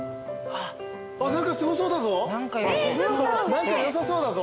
何かよさそうだぞ。